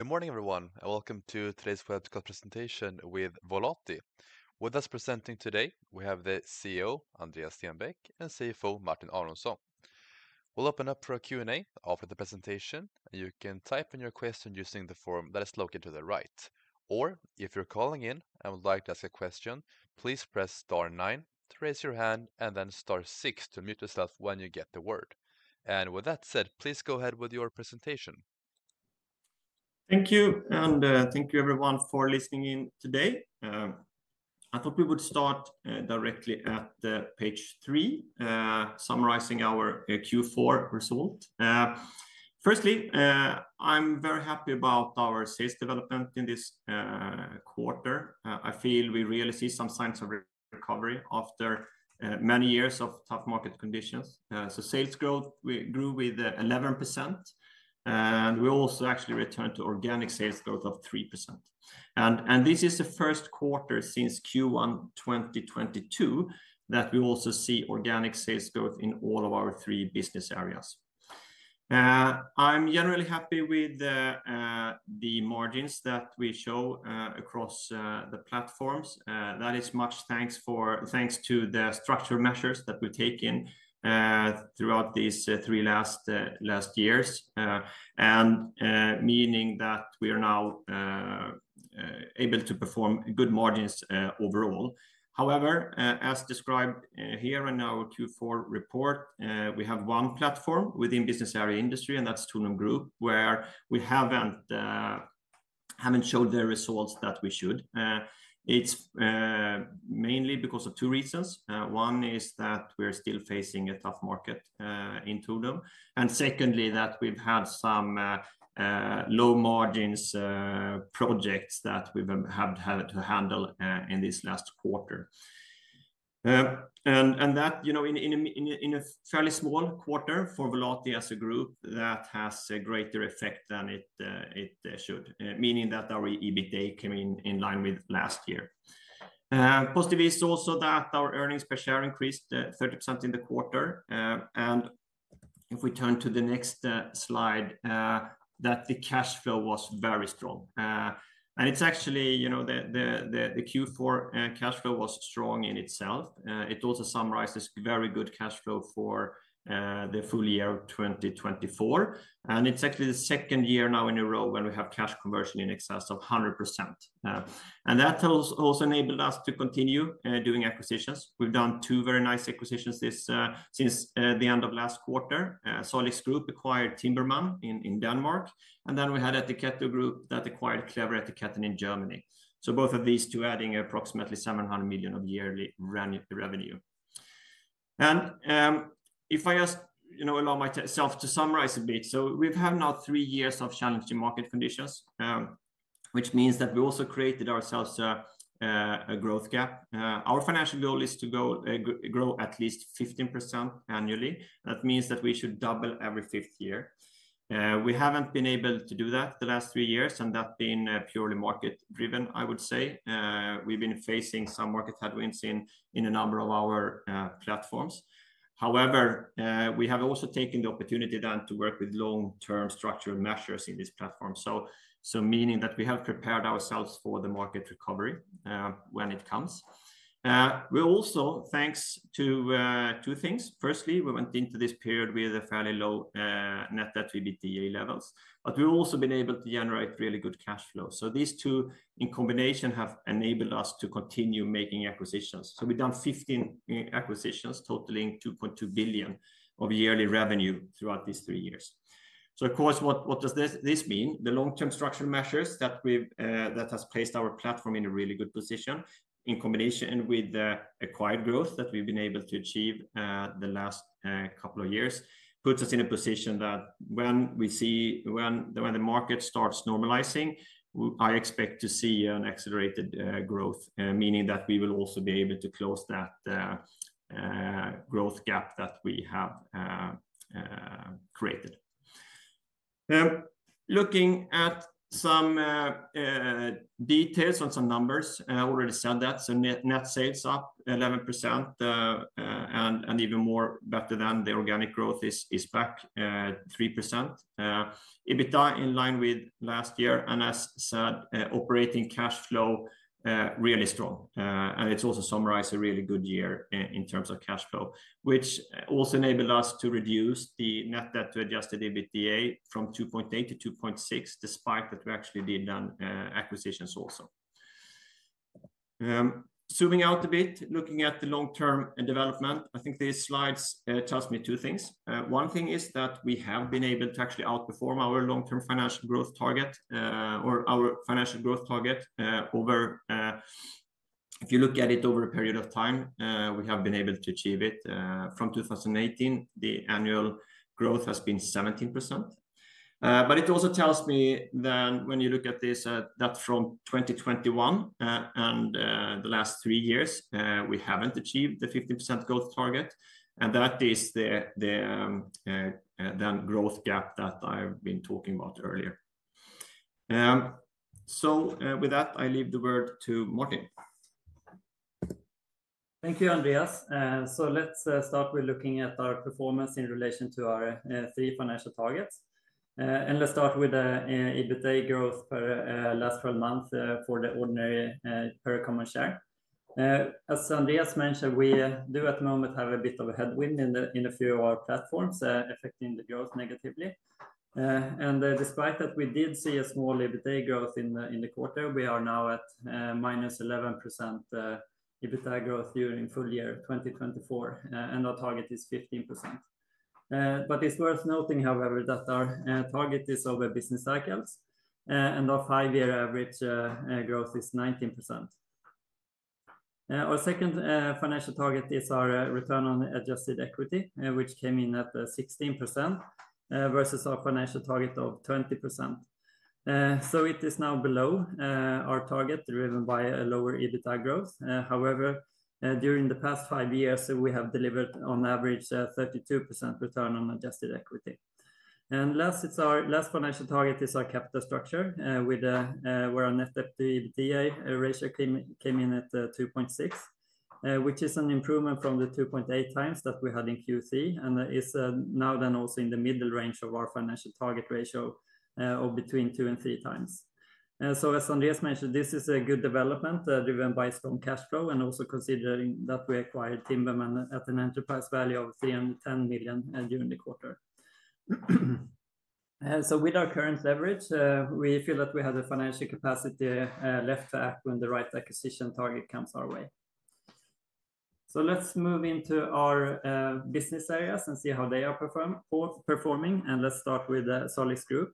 Good morning, everyone, and welcome to today's webcast presentation with Volati. With us presenting today, we have the CEO, Andreas Stenbäck, and CFO, Martin Aronsson. We'll open up for a Q&A after the presentation, and you can type in your question using the form that is located to the right. Or, if you're calling in and would like to ask a question, please press star nine to raise your hand, and then star six to mute yourself when you get the word. And with that said, please go ahead with your presentation. Thank you, and thank you, everyone, for listening in today. I thought we would start directly at page three, summarizing our Q4 result. Firstly, I'm very happy about our sales development in this quarter. I feel we really see some signs of recovery after many years of tough market conditions. So sales growth, we grew with 11%, and we also actually returned to organic sales growth of 3%. And this is the first quarter since Q1 2022 that we also see organic sales growth in all of our three business areas. I'm generally happy with the margins that we show across the platforms. That is much thanks to the structured measures that we've taken throughout these three last years, meaning that we are now able to perform good margins overall. However, as described here in our Q4 report, we have one platform within the business area industry, and that's Tornum Group, where we haven't showed the results that we should. It's mainly because of two reasons. One is that we're still facing a tough market in Tornum, and secondly, that we've had some low-margin projects that we've had to handle in this last quarter, and that, you know, in a fairly small quarter for Volati as a group, that has a greater effect than it should, meaning that our EBITDA came in line with last year. Positive is also that our earnings per share increased 30% in the quarter, and if we turn to the next slide, that the cash flow was very strong, and it's actually, you know, the Q4 cash flow was strong in itself. It also summarizes very good cash flow for the full year of 2024. And it's actually the second year now in a row when we have cash conversion in excess of 100%. And that has also enabled us to continue doing acquisitions. We've done two very nice acquisitions since the end of last quarter. Salix Group acquired Timberman in Denmark, and then we had Ettiketto Group that acquired Klever Etiketten in Germany. So both of these two are adding approximately 700 million of yearly revenue. And if I just, you know, allow myself to summarize a bit, so we've had now three years of challenging market conditions, which means that we also created ourselves a growth gap. Our financial goal is to grow at least 15% annually. That means that we should double every fifth year. We haven't been able to do that the last three years, and that's been purely market-driven, I would say. We've been facing some market headwinds in a number of our platforms. However, we have also taken the opportunity then to work with long-term structural measures in this platform, so meaning that we have prepared ourselves for the market recovery when it comes. We're also thanks to two things. Firstly, we went into this period with a fairly low net EBITDA levels, but we've also been able to generate really good cash flow. So these two, in combination, have enabled us to continue making acquisitions. So we've done 15 acquisitions, totaling 2.2 billion of yearly revenue throughout these three years. So, of course, what does this mean? The long-term structural measures that have placed our platform in a really good position, in combination with the acquired growth that we've been able to achieve the last couple of years, puts us in a position that when we see the market starts normalizing, I expect to see an accelerated growth, meaning that we will also be able to close that growth gap that we have created. Looking at some details on some numbers, I already said that. So net sales up 11%, and even more better than the organic growth is back 3%. EBITDA in line with last year, and as said, operating cash flow really strong. And it's also summarized a really good year in terms of cash flow, which also enabled us to reduce the net debt to adjusted EBITDA from 2.8 to 2.6, despite that we actually did acquisitions also. Zooming out a bit, looking at the long-term development, I think these slides tell me two things. One thing is that we have been able to actually outperform our long-term financial growth target, or our financial growth target over, if you look at it over a period of time, we have been able to achieve it. From 2018, the annual growth has been 17%. But it also tells me then when you look at this, that from 2021 and the last three years, we haven't achieved the 15% growth target. And that is the then growth gap that I've been talking about earlier. So with that, I leave the word to Martin. Thank you, Andreas. So let's start with looking at our performance in relation to our three financial targets. And let's start with the EBITDA growth per last month for the ordinary per common share. As Andreas mentioned, we do at the moment have a bit of a headwind in a few of our platforms, affecting the growth negatively. And despite that, we did see a small EBITDA growth in the quarter. We are now at minus 11% EBITDA growth during full year 2024, and our target is 15%. But it's worth noting, however, that our target is over business cycles, and our five-year average growth is 19%. Our second financial target is our return on adjusted equity, which came in at 16% versus our financial target of 20%. So it is now below our target, driven by a lower EBITDA growth. However, during the past five years, we have delivered on average a 32% return on adjusted equity. Last, our last financial target is our capital structure, where our net debt to EBITDA ratio came in at 2.6, which is an improvement from the 2.8 times that we had in Q3, and is now then also in the middle range of our financial target ratio of between two and three times. So, as Andreas mentioned, this is a good development driven by strong cash flow, and also considering that we acquired Timberman at an enterprise value of 310 million during the quarter. So, with our current leverage, we feel that we have the financial capacity left to act when the right acquisition target comes our way. So let's move into our business areas and see how they are performing. And let's start with Salix Group,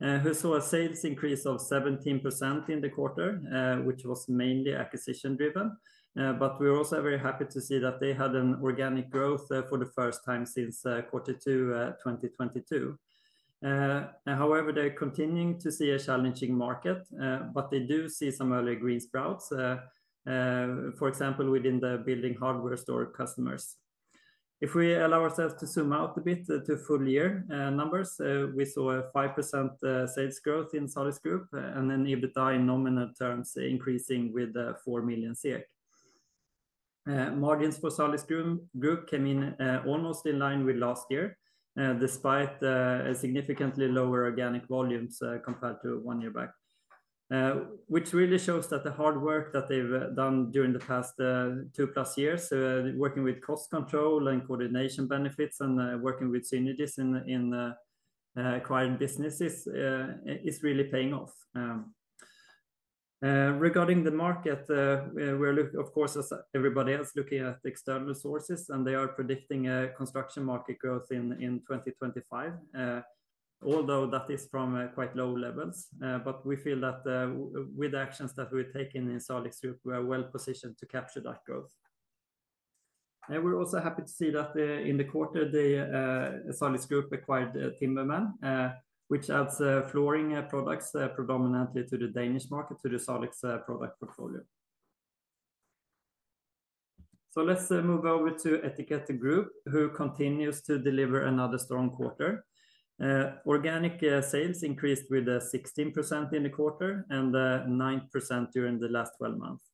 who saw a sales increase of 17% in the quarter, which was mainly acquisition-driven. But we're also very happy to see that they had an organic growth for the first time since quarter two 2022. However, they're continuing to see a challenging market, but they do see some early green sprouts, for example, within the building hardware store customers. If we allow ourselves to zoom out a bit to full year numbers, we saw a 5% sales growth in Salix Group, and then EBITDA in nominal terms increasing with 4 million SEK. Margins for Salix Group came in almost in line with last year, despite significantly lower organic volumes compared to one year back, which really shows that the hard work that they've done during the past two plus years, working with cost control and coordination benefits, and working with synergies in acquired businesses, is really paying off. Regarding the market, we're looking, of course, as everybody else, looking at external sources, and they are predicting construction market growth in 2025, although that is from quite low levels. But we feel that with the actions that we've taken in Salix Group, we are well positioned to capture that growth. And we're also happy to see that in the quarter, Salix Group acquired Timberman, which adds flooring products predominantly to the Danish market, to the Salix product portfolio. So let's move over to Ettiketto Group, who continues to deliver another strong quarter. Organic sales increased with 16% in the quarter and 9% during the last 12 months.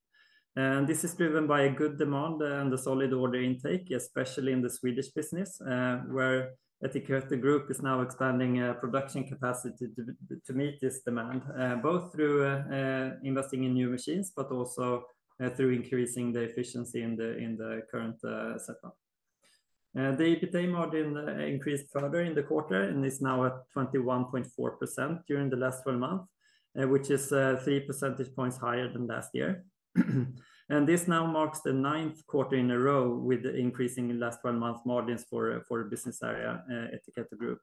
This is driven by good demand and the solid order intake, especially in the Swedish business, where Ettiketto Group is now expanding production capacity to meet this demand, both through investing in new machines, but also through increasing the efficiency in the current setup. The EBITDA margin increased further in the quarter and is now at 21.4% during the last 12 months, which is 3 percentage points higher than last year. This now marks the ninth quarter in a row with increasing in last 12 months margins for a business area, Ettiketto Group.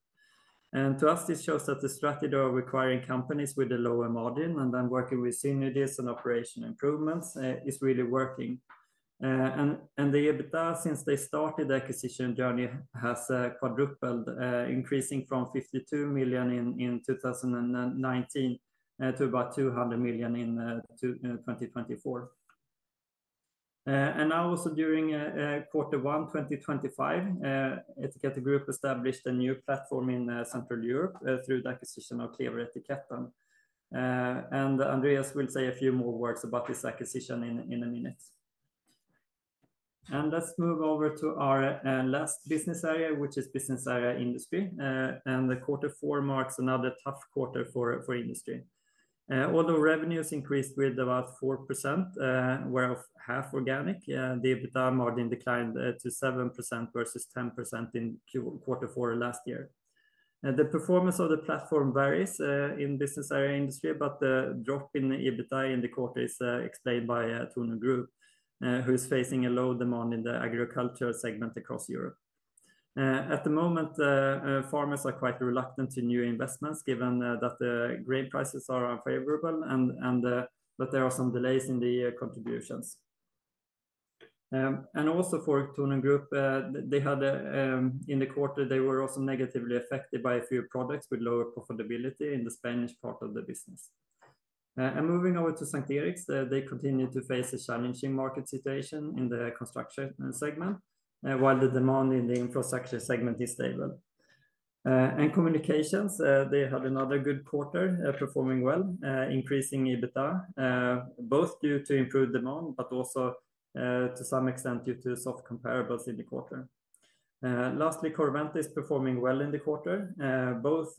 To us, this shows that the strategy of acquiring companies with a lower margin and then working with synergies and operation improvements is really working. The EBITDA, since they started the acquisition journey, has quadrupled, increasing from 52 million in 2019 to about 200 million in 2024. And now, also during quarter one 2025, Ettiketto Group established a new platform in Central Europe through the acquisition of Klever Etiketten. And Andreas will say a few more words about this acquisition in a minute. And let's move over to our last business area, which is business area industry. And quarter four marks another tough quarter for industry. Although revenues increased with about 4%, whereof half organic, the EBITDA margin declined to 7% versus 10% in quarter four last year. The performance of the platform varies in business area industry, but the drop in EBITDA in the quarter is explained by Tornum Group, who is facing a low demand in the agricultural segment across Europe. At the moment, farmers are quite reluctant to new investments, given that the grain prices are unfavorable and that there are some delays in the contributions. Also for Tornum Group, they had in the quarter, they were also negatively affected by a few products with lower profitability in the Spanish part of the business. Moving over to S:t Eriks, they continue to face a challenging market situation in the construction segment, while the demand in the infrastructure segment is stable. Communication had another good quarter, performing well, increasing EBITDA, both due to improved demand, but also to some extent due to soft comparables in the quarter. Lastly, Corvara is performing well in the quarter, both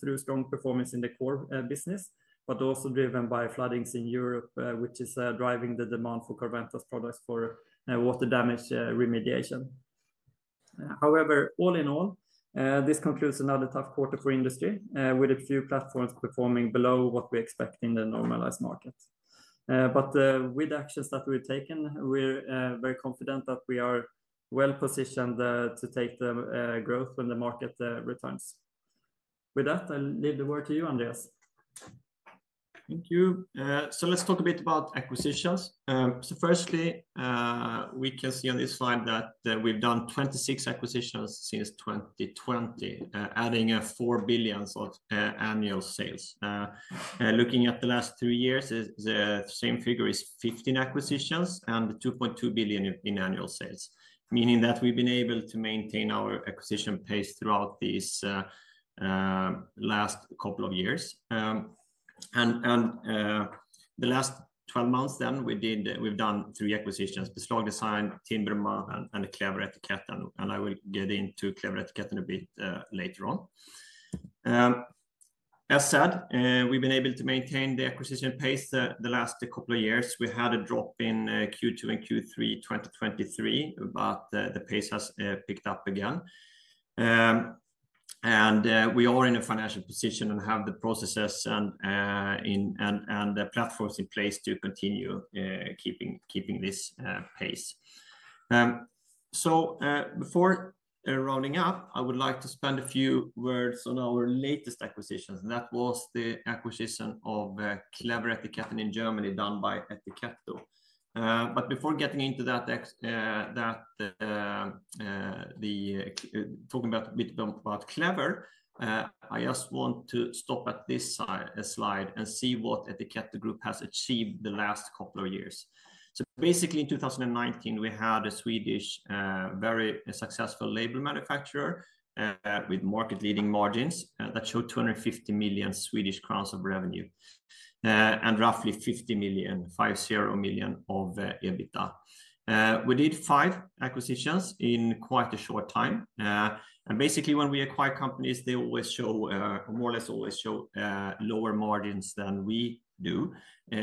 through strong performance in the core business, but also driven by floodings in Europe, which is driving the demand for Corvara's products for water damage remediation. However, all in all, this concludes another tough quarter for Industry, with a few platforms performing below what we expect in the normalized market. But with the actions that we've taken, we're very confident that we are well positioned to take the growth when the market returns. With that, I leave the word to you, Andreas. Thank you. So let's talk a bit about acquisitions. So firstly, we can see on this slide that we've done 26 acquisitions since 2020, adding 4 billion of annual sales. Looking at the last three years, the same figure is 15 acquisitions and 2.2 billion in annual sales, meaning that we've been able to maintain our acquisition pace throughout these last couple of years. And the last 12 months then, we've done three acquisitions: Beslag Design, Timberman, and Klever Etiketten. And I will get into Klever Etiketten a bit later on. As said, we've been able to maintain the acquisition pace the last couple of years. We had a drop in Q2 and Q3 2023, but the pace has picked up again. And we are in a financial position and have the processes and platforms in place to continue keeping this pace. So before rounding up, I would like to spend a few words on our latest acquisitions. That was the acquisition of Klever Etiketten in Germany done by Ettiketto. But before getting into that, talking a bit about Klever, I just want to stop at this slide and see what Ettiketto Group has achieved the last couple of years. So basically, in 2019, we had a Swedish, very successful label manufacturer with market-leading margins that showed 250 million Swedish crowns of revenue and roughly 50 million, 50 million of EBITDA. We did five acquisitions in quite a short time. And basically, when we acquire companies, they always show, more or less always show lower margins than we do,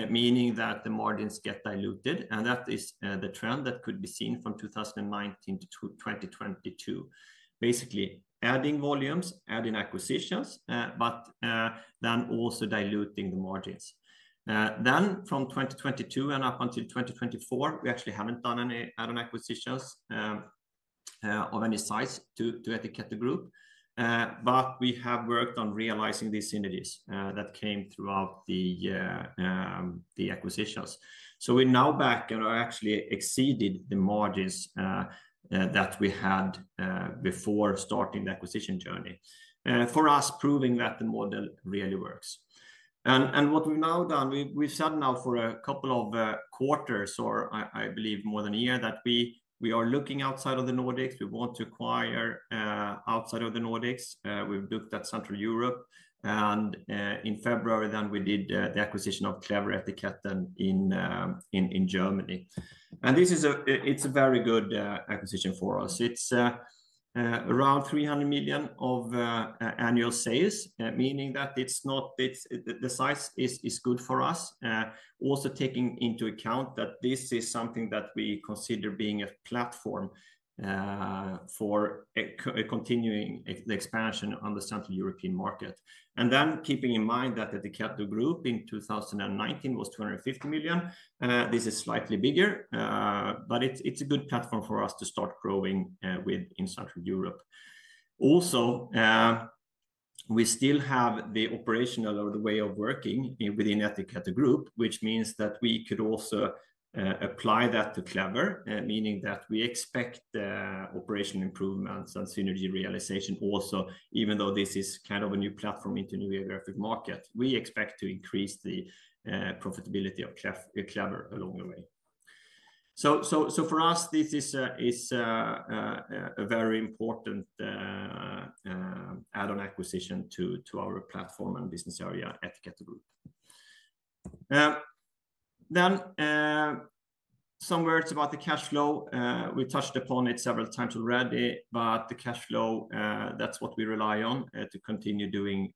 meaning that the margins get diluted. And that is the trend that could be seen from 2019 to 2022. Basically, adding volumes, adding acquisitions, but then also diluting the margins. From 2022 and up until 2024, we actually haven't done any add-on acquisitions of any size to Ettiketto Group. We have worked on realizing these synergies that came throughout the acquisitions. We're now back and are actually exceeded the margins that we had before starting the acquisition journey, for us proving that the model really works. What we've now done, we've said now for a couple of quarters, or I believe more than a year, that we are looking outside of the Nordics. We want to acquire outside of the Nordics. We've looked at Central Europe. In February, then we did the acquisition of Klever Etiketten in Germany. This is a very good acquisition for us. It's around 300 million SEK of annual sales, meaning that it's not the size is good for us. Also taking into account that this is something that we consider being a platform for continuing the expansion on the Central European market, and then keeping in mind that Ettiketto Group in 2019 was 250 million. This is slightly bigger, but it's a good platform for us to start growing with in Central Europe. Also, we still have the operational or the way of working within Ettiketto Group, which means that we could also apply that to Klever, meaning that we expect operation improvements and synergy realization also, even though this is kind of a new platform into a new geographic market. We expect to increase the profitability of Klever along the way, so for us, this is a very important add-on acquisition to our platform and business area, Ettiketto Group, then some words about the cash flow. We touched upon it several times already, but the cash flow, that's what we rely on to continue doing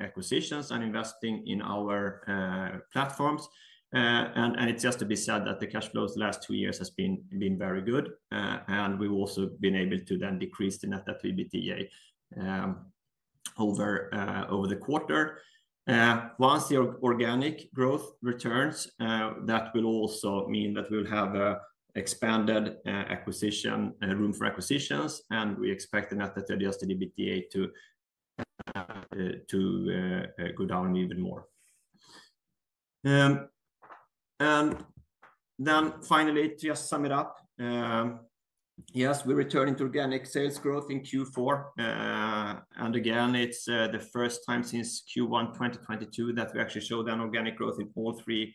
acquisitions and investing in our platforms. And it's just to be said that the cash flow the last two years has been very good. And we've also been able to then decrease the net debt to EBITDA over the quarter. Once the organic growth returns, that will also mean that we'll have expanded acquisition room for acquisitions, and we expect the net debt to EBITDA to go down even more. And then finally, to just sum it up, yes, we're returning to organic sales growth in Q4. And again, it's the first time since Q1 2022 that we actually showed an organic growth in all three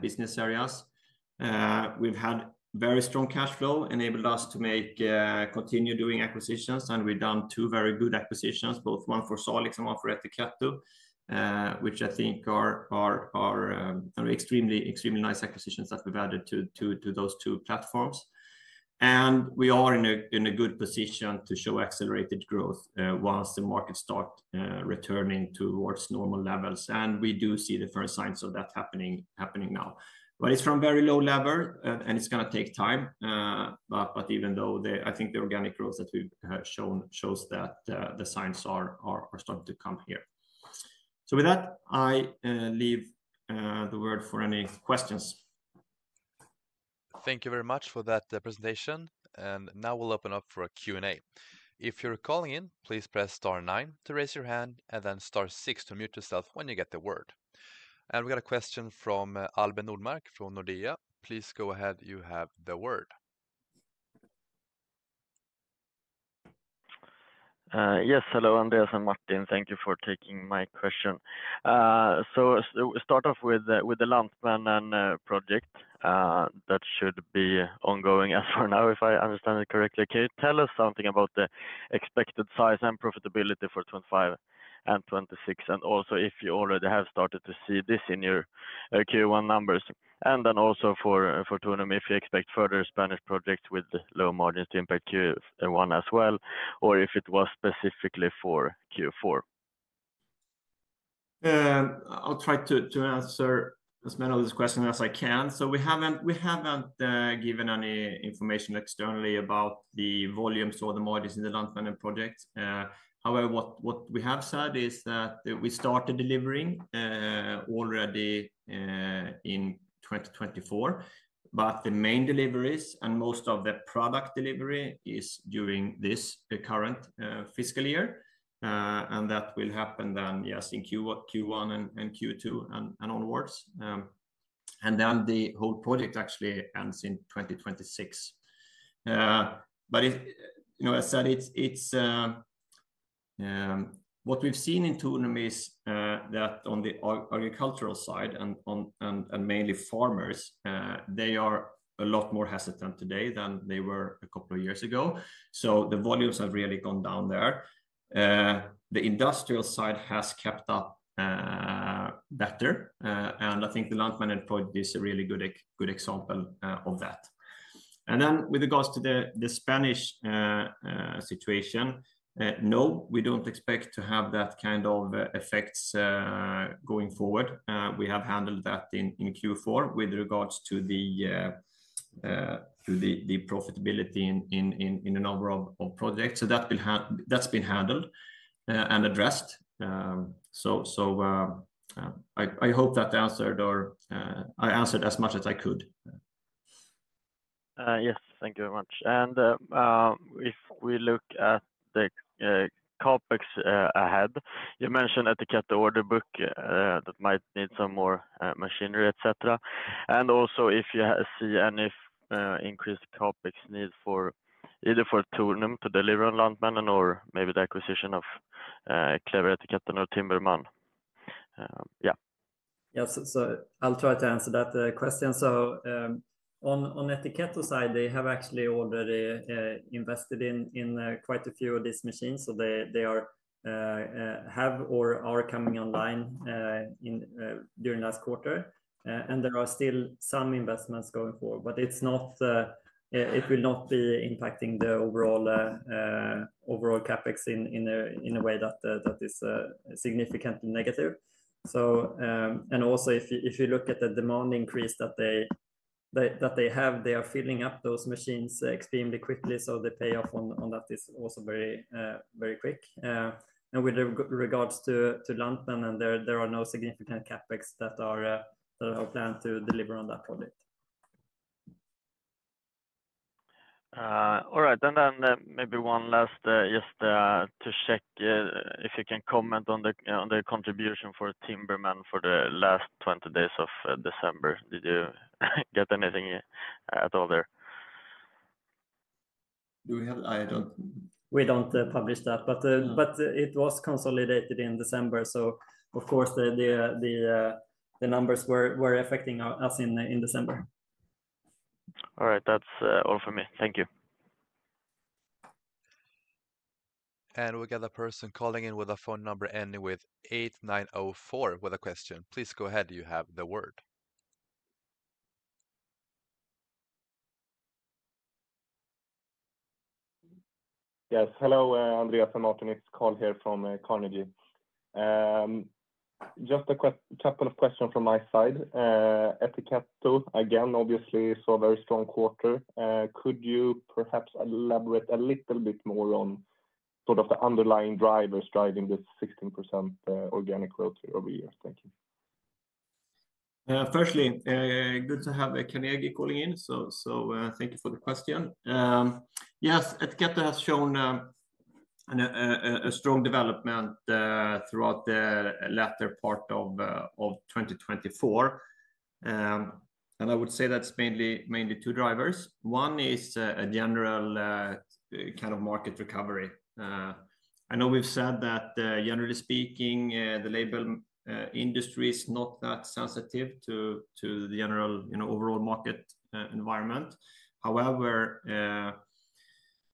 business areas. We've had very strong cash flow enabled us to continue doing acquisitions, and we've done two very good acquisitions, both one for Salix and one for Ettiketto, which I think are extremely nice acquisitions that we've added to those two platforms, and we are in a good position to show accelerated growth once the markets start returning towards normal levels. And we do see the first signs of that happening now, but it's from very low level, and it's going to take time, but even though I think the organic growth that we've shown shows that the signs are starting to come here, so with that, I leave the word for any questions. Thank you very much for that presentation. And now we'll open up for a Q&A. If you're calling in, please press star nine to raise your hand, and then star six to mute yourself when you get the word. And we got a question from Albin Nordmark from Nordea. Please go ahead. You have the word. Yes, hello, Andreas and Martin. Thank you for taking my question. So we start off with the Lantmännen project that should be ongoing as for now, if I understand it correctly. Can you tell us something about the expected size and profitability for 2025 and 2026, and also if you already have started to see this in your Q1 numbers? And then also for Tornum, if you expect further Spanish projects with low margins to impact Q1 as well, or if it was specifically for Q4? I'll try to answer as many of these questions as I can. So we haven't given any information externally about the volumes or the margins in the Lantmännen project. However, what we have said is that we started delivering already in 2024, but the main deliveries and most of the product delivery is during this current fiscal year. And that will happen then, yes, in Q1 and Q2 and onwards. And then the whole project actually ends in 2026. But as I said, what we've seen in Tornum is that on the agricultural side and mainly farmers, they are a lot more hesitant today than they were a couple of years ago. So the volumes have really gone down there. The industrial side has kept up better. And I think the Lantmännen project is a really good example of that. Then with regards to the Spanish situation, no, we don't expect to have that kind of effects going forward. We have handled that in Q4 with regards to the profitability in a number of projects. That's been handled and addressed. I hope that I answered as much as I could. Yes, thank you very much. And if we look at the CAPEX ahead, you mentioned Ettiketto order book that might need some more machinery, etc. And also if you see any increased CAPEX need for either for Tornum to deliver on Lantmännen or maybe the acquisition of Klever Etiketten or Timberman. Yeah. Yes, so I'll try to answer that question. So, on the Ettiketto side, they have actually already invested in quite a few of these machines. So, they have or are coming online during last quarter. And there are still some investments going forward, but it will not be impacting the overall CapEx in a way that is significantly negative. And also, if you look at the demand increase that they have, they are filling up those machines extremely quickly. So, the payoff on that is also very quick. And with regards to Lantmännen, there are no significant CapEx that are planned to deliver on that project. All right. And then maybe one last just to check if you can comment on the contribution for Timberman for the last 20 days of December. Did you get anything at all there? We don't publish that, but it was consolidated in December. So of course, the numbers were affecting us in December. All right. That's all for me. Thank you. We got a person calling in with a phone number ending with 8904 with a question. Please go ahead. You have the word. Yes. Hello, Andreas and Martin. It's Carl here from Carnegie. Just a couple of questions from my side. Ettiketto again, obviously, saw a very strong quarter. Could you perhaps elaborate a little bit more on sort of the underlying drivers driving this 16% organic growth over the years? Thank you. Firstly, good to have Carnegie calling in. So thank you for the question. Yes, Ettiketto has shown a strong development throughout the latter part of 2024. And I would say that's mainly two drivers. One is a general kind of market recovery. I know we've said that generally speaking, the label industry is not that sensitive to the general overall market environment. However,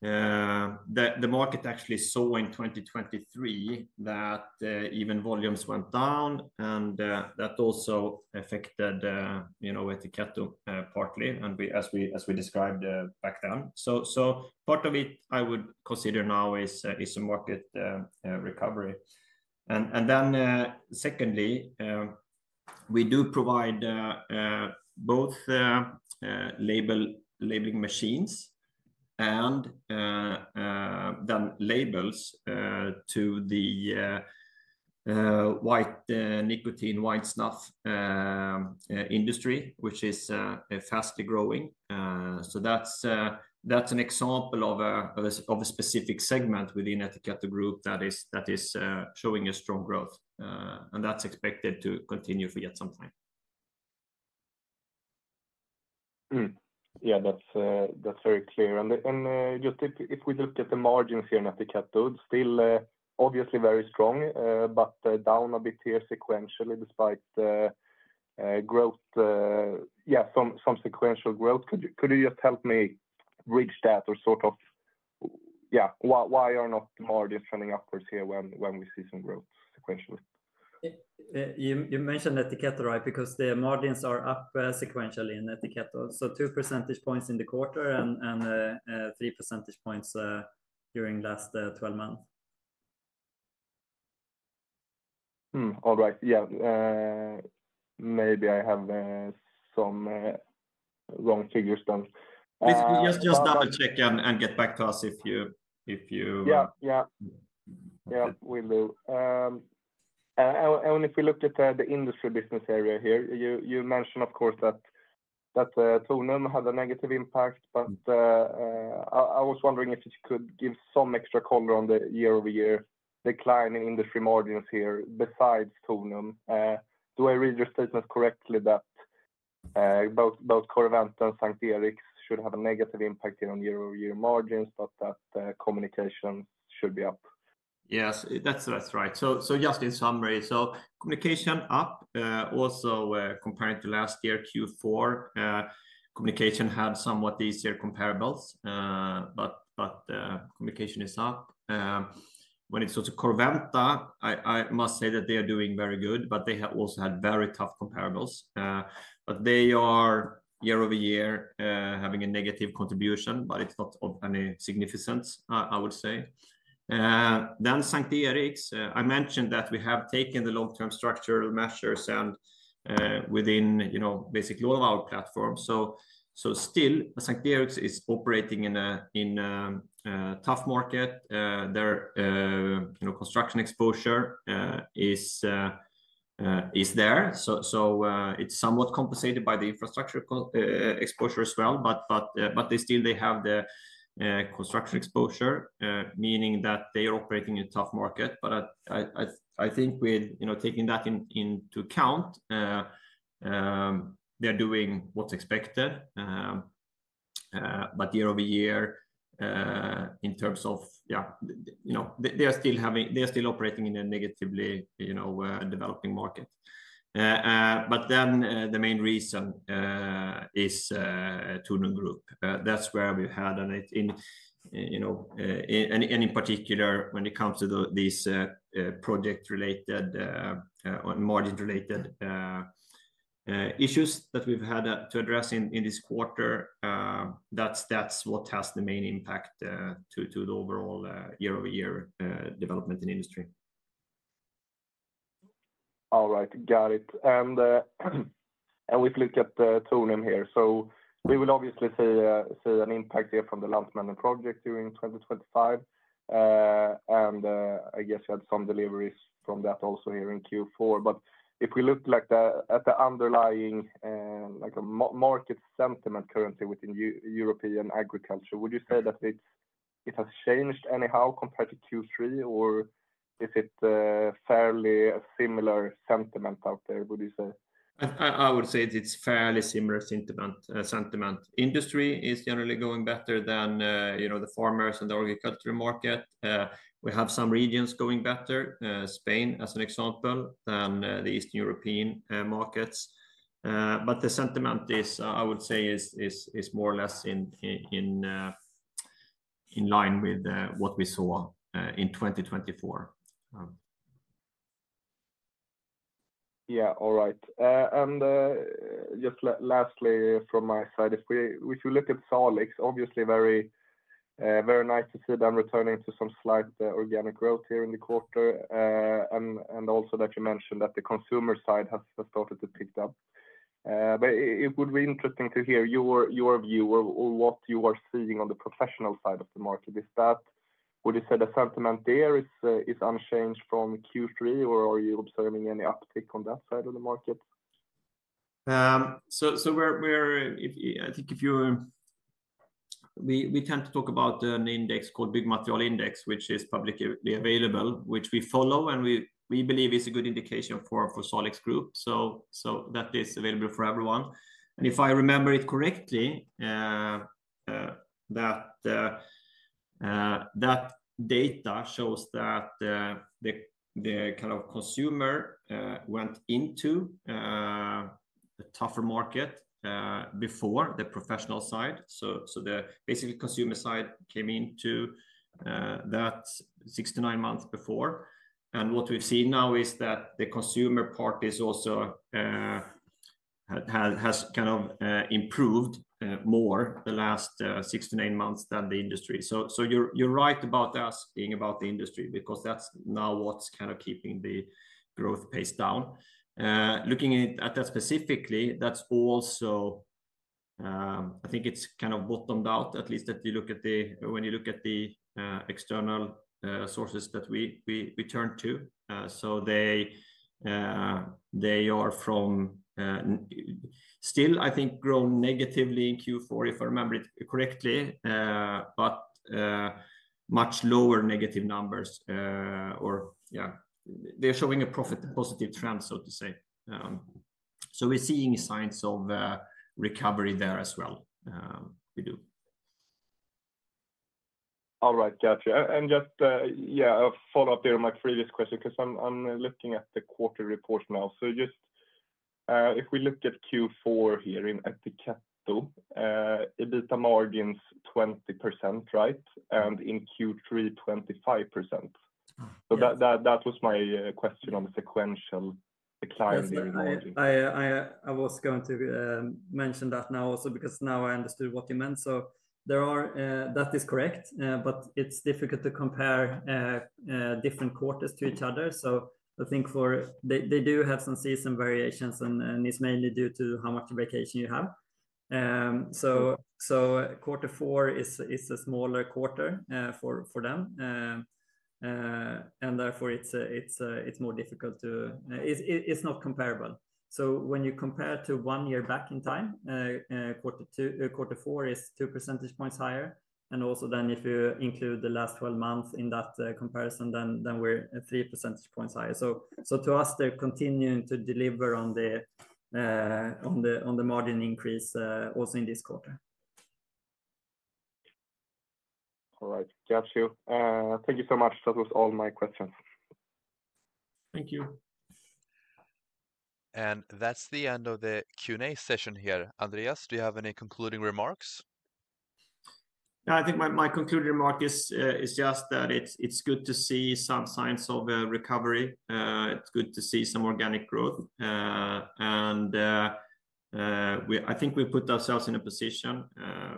the market actually saw in 2023 that even volumes went down, and that also affected Ettiketto partly, as we described back then. So part of it I would consider now is a market recovery. And then secondly, we do provide both labeling machines and then labels to the white nicotine, white stuff industry, which is fast growing. So that's an example of a specific segment within Ettiketto Group that is showing a strong growth. And that's expected to continue for yet some time. Yeah, that's very clear. And just if we look at the margins here in Ettiketto, it's still obviously very strong, but down a bit here sequentially despite growth, yeah, some sequential growth. Could you just help me reach that or sort of, yeah, why are not the margins running upwards here when we see some growth sequentially? You mentioned Ettiketto, right? Because the margins are up sequentially in Ettiketto. So two percentage points in the quarter and three percentage points during the last 12 months. All right. Yeah. Maybe I have some wrong figures then. Just double-check and get back to us if you. Yeah, yeah. Yeah, will do. And if we look at the industry business area here, you mentioned, of course, that Tornum had a negative impact, but I was wondering if you could give some extra color on the year-over-year decline in industry margins here besides Tornum. Do I read your statements correctly that both Corvara and S:t Eriks should have a negative impact here on year-over-year margins, but that communications should be up? Yes, that's right. So just in summary, so Communication up. Also comparing to last year, Q4, Communication had somewhat easier comparables, but Communication is up. When it comes to Corvara, I must say that they are doing very good, but they have also had very tough comparables. But they are year-over-year having a negative contribution, but it's not of any significance, I would say. Then S:t Eriks, I mentioned that we have taken the long-term structural measures within basically all of our platforms. So still, S:t Eriks is operating in a tough market. Their construction exposure is there. So it's somewhat compensated by the infrastructure exposure as well. But still, they have the construction exposure, meaning that they are operating in a tough market. But I think with taking that into account, they're doing what's expected. But year-over-year, in terms of, yeah, they are still operating in a negatively developing market. But then the main reason is Tornum Group. That's where we've had, in particular, when it comes to these project-related, margin-related issues that we've had to address in this quarter, that's what has the main impact to the overall year-over-year development in industry. All right. Got it. And if we look at Tornum here, so we will obviously see an impact here from the Lantmännen project during 2025. And I guess we had some deliveries from that also here in Q4. But if we look at the underlying market sentiment currently within European agriculture, would you say that it has changed anyhow compared to Q3, or is it fairly similar sentiment out there, would you say? I would say it's fairly similar sentiment. Industry is generally going better than the farmers and the agricultural market. We have some regions going better, Spain as an example, than the Eastern European markets. But the sentiment, I would say, is more or less in line with what we saw in 2024. Yeah, all right. And just lastly from my side, if we look at Salix, obviously very nice to see them returning to some slight organic growth here in the quarter. And also that you mentioned that the consumer side has started to pick up. But it would be interesting to hear your view or what you are seeing on the professional side of the market. Would you say the sentiment there is unchanged from Q3, or are you observing any uptick on that side of the market? So I think if you're, we tend to talk about an index called Byggmaterialindex, which is publicly available, which we follow, and we believe is a good indication for Salix Group. So that is available for everyone. And if I remember it correctly, that data shows that the kind of consumer went into a tougher market before the professional side. So basically, the consumer side came into that 6 to 9 months before. And what we've seen now is that the consumer part has kind of improved more the last 6 to 9 months than the industry. So you're right about asking about the industry because that's now what's kind of keeping the growth pace down. Looking at that specifically, that's also, I think it's kind of bottomed out, at least when you look at the external sources that we turn to. So they're still, I think, growing negatively in Q4, if I remember it correctly, but much lower negative numbers. Or yeah, they're showing a profit-positive trend, so to say. So we're seeing signs of recovery there as well. We do. All right. Gotcha. And just, yeah, a follow-up there on my previous question because I'm looking at the quarter report now. So just if we look at Q4 here in Ettiketto, EBITDA margins 20%, right? And in Q3, 25%. So that was my question on the sequential decline in margins. I was going to mention that now also because now I understood what you meant. So that is correct, but it's difficult to compare different quarters to each other. So I think they do have some seasonal variations, and it's mainly due to how much vacation you have. So quarter four is a smaller quarter for them. And therefore, it's more difficult. It's not comparable. So when you compare to one year back in time, quarter four is two percentage points higher. And also then if you include the last 12 months in that comparison, then we're three percentage points higher. So to us, they're continuing to deliver on the margin increase also in this quarter. All right. Got you. Thank you so much. That was all my questions. Thank you. That's the end of the Q&A session here. Andreas, do you have any concluding remarks? I think my concluding remark is just that it's good to see some signs of a recovery. It's good to see some organic growth. And I think we put ourselves in a position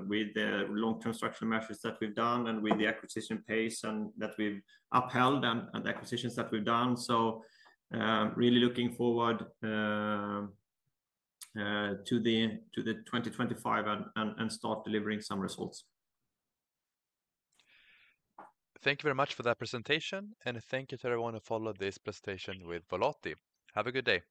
with the long-term structural measures that we've done and with the acquisition pace that we've upheld and the acquisitions that we've done. So really looking forward to the 2025 and start delivering some results. Thank you very much for that presentation and thank you to everyone who followed this presentation with Volati. Have a good day.